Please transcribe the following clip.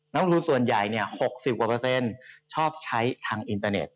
ลงทุนส่วนใหญ่๖๐กว่าเปอร์เซ็นต์ชอบใช้ทางอินเตอร์เน็ต